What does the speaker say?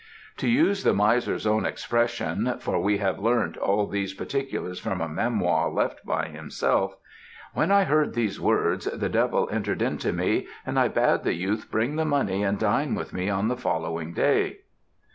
"To use the miser's own expression for we have learnt all these particulars from a memoir left by himself 'When I heard these words the devil entered into me, and I bade the youth bring the money and dine with me on the following day.'